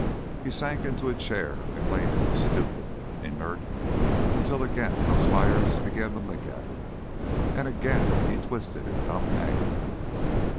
He sank into a chair and lay there stupid, inert, until again those fires began to lick at him and again he twisted in dumb agony.